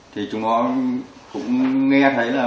thì chúng nó cũng nghe thấy là